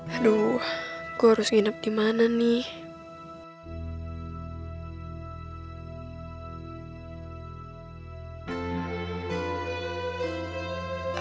aduh gue harus nginep dimana nih